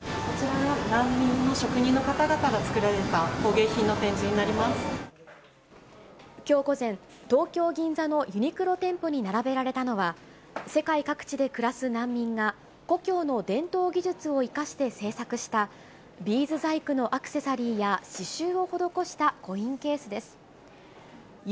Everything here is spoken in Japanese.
こちらの難民の職人の方々がきょう午前、東京・銀座のユニクロ店舗に並べられたのは、世界各地で暮らす難民が、故郷の伝統技術を生かして制作した、ビーズ細工のアクセサリーや刺しゅうを施したコインケースです。